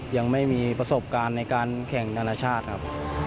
ยังไม่มีประสบการณ์ในการแข่งนานาชาติครับ